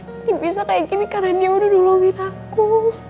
ini bisa kayak gini karena dia udah duluin aku